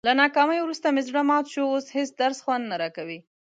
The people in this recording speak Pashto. له ناکامۍ ورسته مې زړه مات شو، اوس هېڅ درس خوند نه راکوي.